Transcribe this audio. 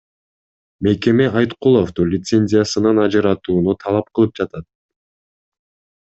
Мекеме Айткуловду лицензиясынан ажыратууну талап кылып жатат.